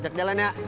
ujak jalan ya